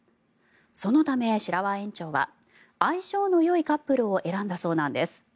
そのため、白輪園長は相性のよいカップルを選んだそうなんです。